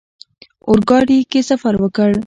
اورګاډي کې سفر وکړ.